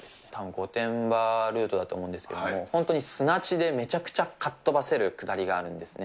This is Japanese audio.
御殿場ルートだと思うんですけれども、本当に砂地でめちゃくちゃかっとばせる下りがあるんですね。